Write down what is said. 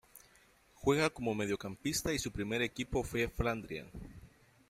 Juega como mediocampista y su primer equipo fue Flandria.